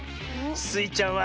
スイちゃんは。